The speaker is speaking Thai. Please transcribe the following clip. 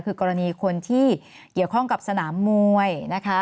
คือกรณีคนที่เกี่ยวข้องกับสนามมวยนะคะ